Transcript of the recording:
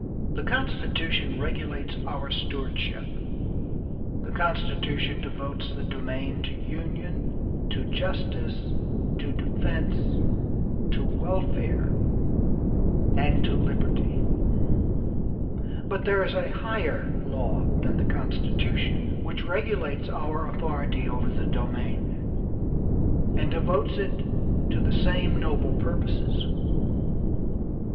The Constitution regulates our stewardship; the Constitution devotes the domain to union, to justice, to defence, to welfare, and to liberty." "But there is a higher law than the Constitution, which regulates our authority over the domain, and devotes it to the same noble purposes.